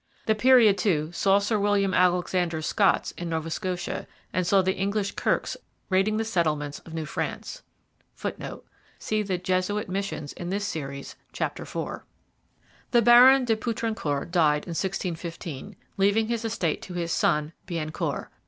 The period, too, saw Sir William Alexander's Scots in Nova Scotia and saw the English Kirkes raiding the settlements of New France. [Footnote: See The Jesuit Missions in this Series, chap. iv.] The Baron de Poutrincourt died in 1615, leaving his estate to his son Biencourt.